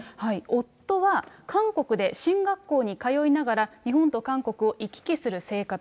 夫は韓国で神学校に通いながら、日本と韓国を行き来する生活。